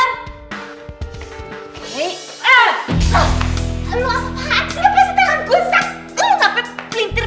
lo gak peduli